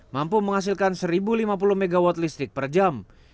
mampu menghasilkan satu lima puluh mw listrik per jam